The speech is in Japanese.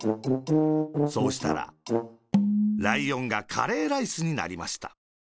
そうしたら、ライオンがカレーライスになりました。